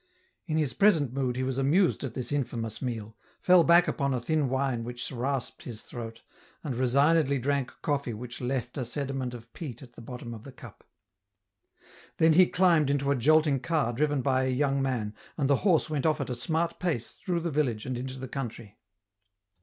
In his present mood he was amused at this infamous meal, fell back upon a thin wine which rasped his throat, and resignedly drank coffee which left a sediment of peat at the bottom of the cup. Then he climbed into a jolting car driven by a young man, and the horse went off at a smart pace through the village and into the country.